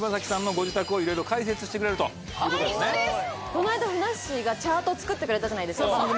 この間ふなっしーがチャートを作ってくれたじゃないですか番組。